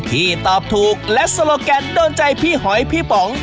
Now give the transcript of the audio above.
ที่ตอบถูกและโซโลแกนโดนใจพี่หอยพี่ป๋อง